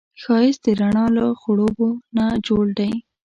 ښایست د رڼا له خړوبو نه جوړ دی